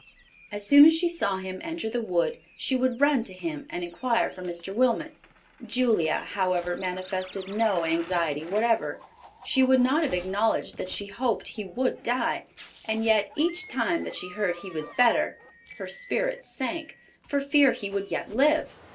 As soon as she saw him enter the wood, she would run to him, and inquire for Mr. Wilmot. Julia, however, manifested no anxiety whatever. She would not have acknowledged that she hoped he would die, and yet each time that she heard he was better her spirits sank, for fear he would yet live.